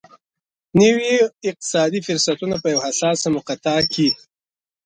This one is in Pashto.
نویو اقتصادي فرصتونو په یوه حساسه مقطعه کې.